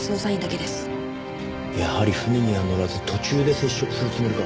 やはり船には乗らず途中で接触するつもりか。